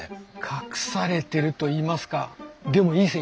隠されてるといいますかでもいい線いってます！